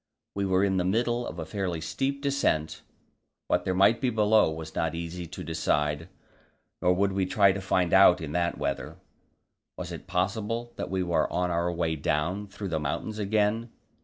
We were in the middle of a fairly steep descent; what there might be below was not easy to decide, nor would we try to find out in that weather. Was it possible that we were on our way down through the mountains again?